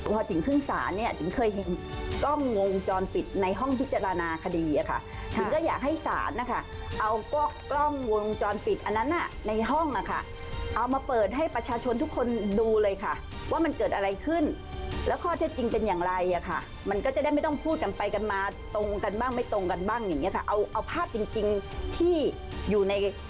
พอจิ๋งขึ้นศาลเนี่ยจิ๋งเคยเห็นกล้องวงจรปิดในห้องพิจารณาคดีอะค่ะจิ๋งก็อยากให้ศาลนะคะเอากล้องวงจรปิดอันนั้นน่ะในห้องนะคะเอามาเปิดให้ประชาชนทุกคนดูเลยค่ะว่ามันเกิดอะไรขึ้นแล้วข้อเท็จจริงเป็นอย่างไรอ่ะค่ะมันก็จะได้ไม่ต้องพูดกันไปกันมาตรงกันบ้างไม่ตรงกันบ้างอย่างเงี้ค่ะเอาเอาภาพจริงจริงที่อยู่ใน